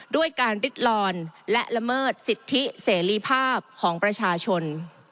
ด้วยการริดลอนและละเมิดสิทธิเสรีภาพของประชาชน